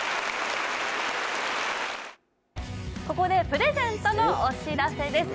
ここでプレゼントのお知らせです。